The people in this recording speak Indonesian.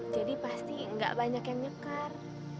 jadi pasti gak banyak yang nyekar